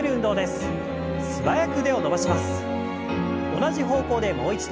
同じ方向でもう一度。